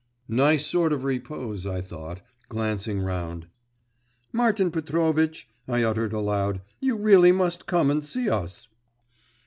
…' 'Nice sort of repose!' I thought, glancing round. 'Martin Petrovitch!' I uttered aloud, 'you really must come and see us.